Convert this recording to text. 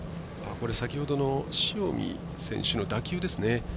先ほどの塩見選手の打球です。